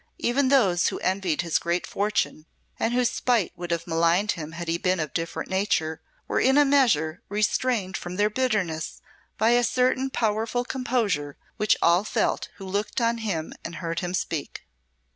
Even those who envied his great fortunes, and whose spite would have maligned him had he been of different nature, were in a measure restrained from their bitterness by a certain powerful composure, which all felt who looked on him and heard him speak.